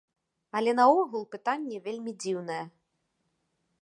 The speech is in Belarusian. Але наогул пытанне вельмі дзіўнае.